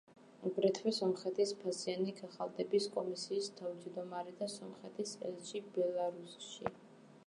აგრეთვე სომხეთის ფასიანი ქაღალდების კომისიის თავმჯდომარე და სომხეთის ელჩი ბელარუსში.